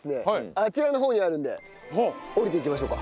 あちらの方にあるんで下りていきましょうか。